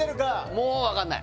もう分かんない